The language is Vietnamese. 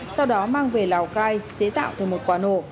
sau đó mang về lào cai chế tạo thành một quả nổ